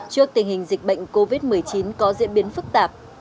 trước tình hình dịch bệnh covid một mươi chín có diễn biến phức tạp